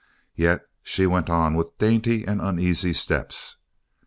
Yet she went on with dainty and uneasy steps.